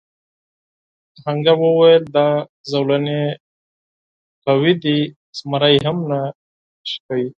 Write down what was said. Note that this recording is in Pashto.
آهنګر وویل دا زولنې قوي دي زمری هم نه شکوي.